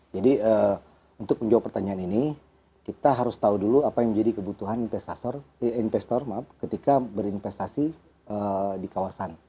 jadi untuk menjawab pertanyaan ini kita harus tahu dulu apa yang menjadi kebutuhan investor ketika berinvestasi di kawasan